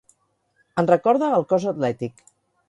En recorda el cos atlètic.